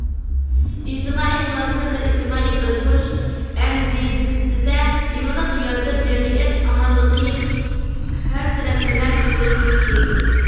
ئىجتىمائىي مۇلازىمەت ۋە ئىجتىمائىي باشقۇرۇش ئەندىزىسىدە يېڭىلىق يارىتىپ، جەمئىيەت ئامانلىقىنى ھەر تەرەپلىمە تۈزەشنى كۈچەيتتۇق.